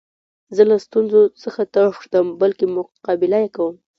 زه له ستونزو څخه تښتم؛ بلکي مقابله ئې کوم.